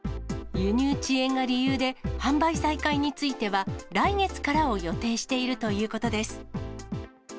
輸入遅延が理由で、販売再開については、来月からを予定しているということです。